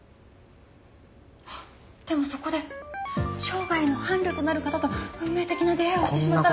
あっでもそこで生涯の伴侶となる方と運命的な出会いをしてしまったら。